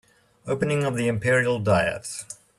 Opening of the Imperial diet